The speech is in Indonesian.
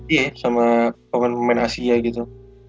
iya sama pemain pemain asia gitu